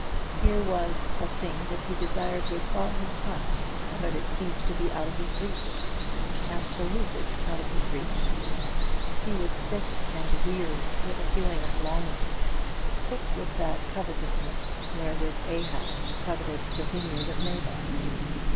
Here was a thing that he desired with all his heart, but it seemed to be out of his reach, absolutely out of his reach. He was sick and weary with a feeling of longing, sick with that covetousness wherewith Ahab coveted the vineyard of Naboth.